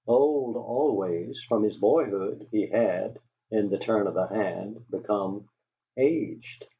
Old always, from his boyhood, he had, in the turn of a hand, become aged.